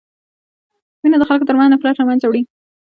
مینه د خلکو ترمنځ نفرت له منځه وړي.